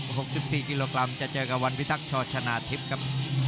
๖๔กิโลกรัมจะเจอกับวันพิทักษ์ช่อชนะทิฟต์ครับ